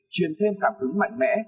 truyền thêm cảm hứng mạnh mẽ